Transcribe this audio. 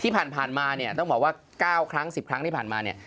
เพราะว่า๙๑๐ครั้งที่ผ่านมา